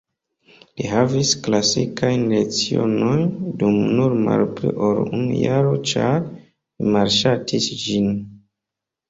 Li havis klasikajn lecionojn dum nur malpli ol unu jaro ĉar li malŝatis ĝin.